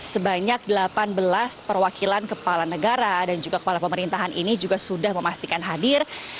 sebanyak delapan belas perwakilan kepala negara dan juga kepala pemerintahan ini juga sudah memastikan hadir